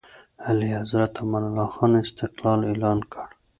اعلیحضرت امان الله خان استقلال اعلان کړ.